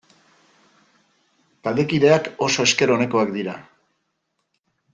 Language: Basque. Taldekideak oso esker onekoak dira.